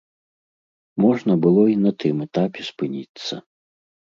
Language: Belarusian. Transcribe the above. Можна было і на тым этапе спыніцца.